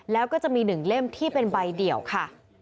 แล้วก็จะมี๑เล่มที่เป็นใบเดี่ยวค่ะ